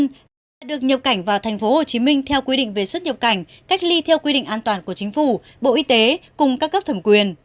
khách quốc tế đã được nhập cảnh vào tp hcm theo quy định về xuất nhập cảnh cách ly theo quy định an toàn của chính phủ bộ y tế cùng các cấp thẩm quyền